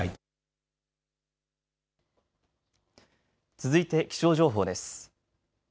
続いて気象情報です。